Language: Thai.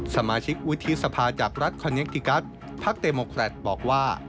สมาชิกวิธีสภาจากรัฐคอนเน็กติกัสพรรคเดมโมครัฐบอกว่า